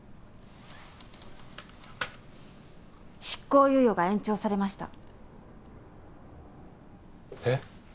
執行猶予が延長されましたえっ？